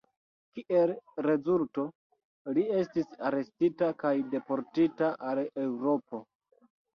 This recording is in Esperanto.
Kiel rezulto, li estis arestita kaj deportita al Eŭropo.